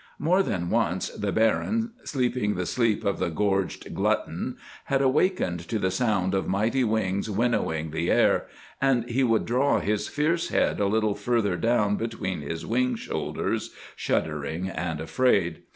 More than once the Baron, sleeping the sleep of the gorged glutton, had awakened to the sound of mighty wings winnowing the air, and he would draw his fierce head a little further down between his wing shoulders, shuddering and afraid.